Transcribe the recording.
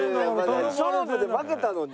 勝負で負けたのに。